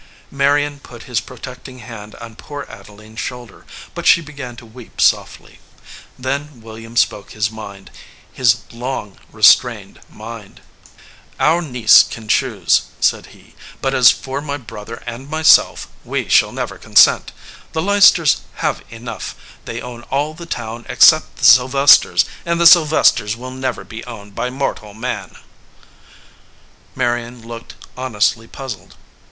Marion put his protecting hand on poor Ade line s shoulder, but she began to weep softly. Then William spoke his mind, his long restrained mind. "Our niece can choose/* said he ; "but as for my brother and myself, we shall never consent. The Leicesters have enough. They own all the town except the Sylvesters ; and the Sylvesters will never be owned by mortal man/ Marion looked honestly puzzled.